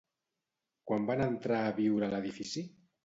Quan van entrar a viure a l'edifici?